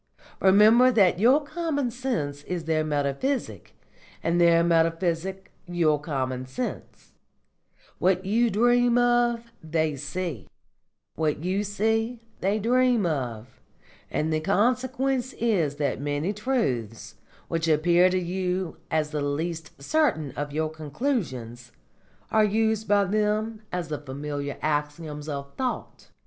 Remember that your common sense is their metaphysic, and their metaphysic your common sense; what you dream of, they see; what you see, they dream of; and the consequence is that many truths, which appear to you as the least certain of your conclusions, are used by them as the familiar axioms of thought.